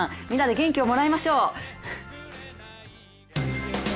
みんなで元気をもらいましょう！